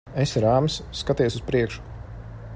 Esi rāms. Skaties uz priekšu.